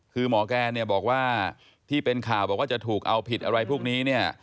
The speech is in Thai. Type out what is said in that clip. คือหมอแกเนี่ยบอกว่าที่เป็นข่าวบอกว่าจะถูกเอาผิดอะไรพวกนี้เนี่ย